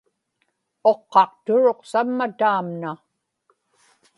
uqqaqturuq samma taamna